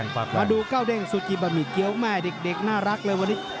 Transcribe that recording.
มาดูเก้าเด้งซูจิบะหมี่เกี้ยวแม่เด็กน่ารักเลยวันนี้